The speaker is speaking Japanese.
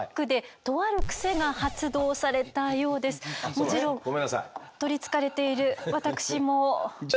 もちろん取りつかれている私も。ごめんなさい。